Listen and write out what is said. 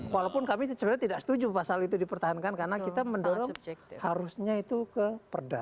walaupun kami sebenarnya tidak setuju pasal itu dipertahankan karena kita mendorong harusnya itu ke perda